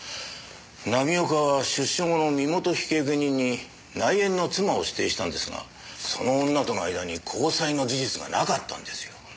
浪岡は出所後の身元引受人に内縁の妻を指定したんですがその女との間に交際の事実がなかったんですよ。